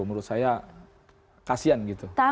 menurut saya kasihan gitu